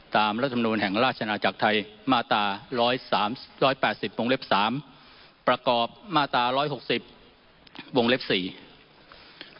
ตามรัฐมนุนแห่งราชนาจักรไทยมาตรา๑๘๐วงเล็ก๓ประกอบมาตรา๑๖๐วงเล็ก๔